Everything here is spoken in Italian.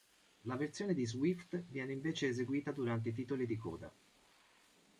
La versione di Swift viene invece eseguita durante i titoli di coda.